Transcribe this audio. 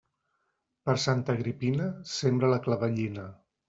Per Santa Agripina, sembra la clavellina.